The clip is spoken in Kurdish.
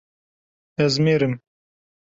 Ez mêr im.